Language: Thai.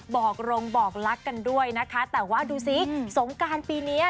กรงบอกรักกันด้วยนะคะแต่ว่าดูซิสงการปีนี้